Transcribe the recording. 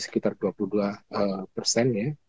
sekitar dua puluh dua persen ya